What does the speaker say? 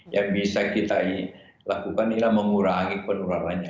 yang bisa kita lakukan adalah mengurangi penularannya